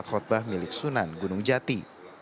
ini adalah khutbah milik sunan gunung jati